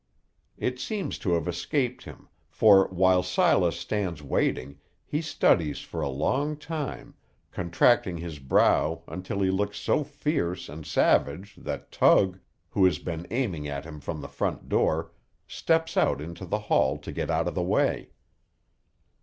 It seems to have escaped him, for while Silas stands waiting, he studies for a long time, contracting his brow until he looks so fierce and savage that Tug, who has been aiming at him from the door, steps out into the hall to get out of the way.